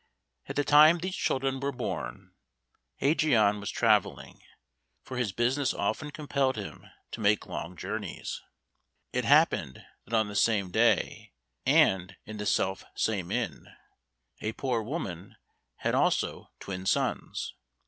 At the time these children were born Ægeon was travelling, for his business often compelled him to make long journeys. It happened that on the same day, and in the self same inn, a poor woman had also twin sons.